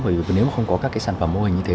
bởi vì nếu không có các sản phẩm mô hình như thế